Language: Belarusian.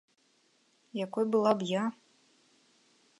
Якой была б я?